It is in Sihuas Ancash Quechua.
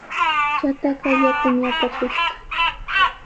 Chataqa yakumi apakushqa.